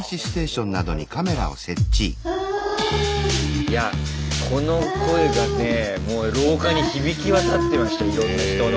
いやこの声がねもう廊下に響き渡ってましたいろんな人の。